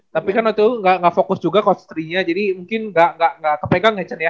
tapi kan waktu gak fokus juga coach tri nya jadi mungkin gak gak gak kepegang ya cet ya